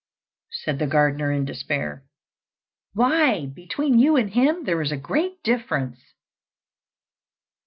said the gardener in despair. "Why, between you and him there is a great difference."